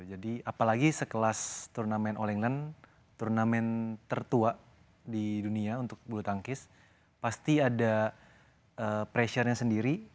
jadi apalagi sekelas turnamen all england turnamen tertua di dunia untuk bulu tangkis pasti ada pressure nya sendiri